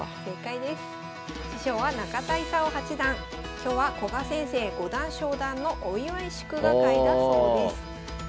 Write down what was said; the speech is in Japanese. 今日は古賀先生五段昇段のお祝い祝賀会だそうです。